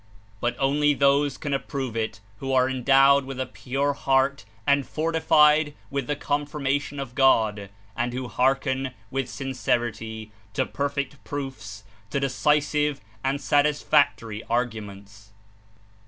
But only those can approve it who are endowed with a pure heart and fortified with the confirmation of God, and who hearken with sincerity to perfect proofs, to decisive and satisfactory arguments.